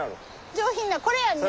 上品なこれやんね。